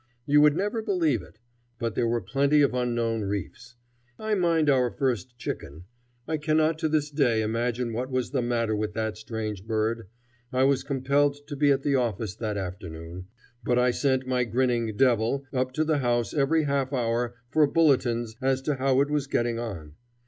You would never believe it. But there were plenty of unknown reefs. I mind our first chicken. I cannot to this day imagine what was the matter with that strange bird. I was compelled to be at the office that afternoon, but I sent my grinning "devil," up to the house every half hour for bulletins as to how it was getting on.